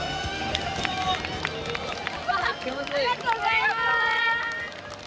ありがとうございます！